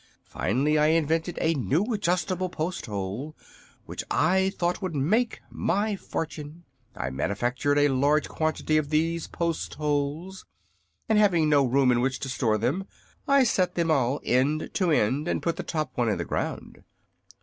Finally I invented a new Adjustable Post hole, which I thought would make my fortune. I manufactured a large quantity of these post holes, and having no room in which to store them I set them all end to end and put the top one in the ground.